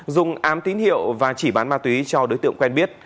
dùng am tín hiệu và chỉ bán ma túy cho đối tượng quen biết